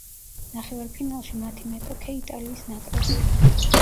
ნახევარფინალში მათი მეტოქე იტალიის ნაკრები იყო.